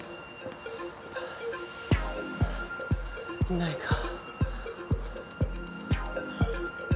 いないか。